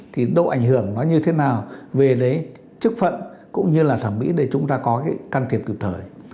thì độ ảnh hưởng nó như thế nào về đấy chức phận cũng như là thẩm mỹ để chúng ta có cái can thiệp kịp thời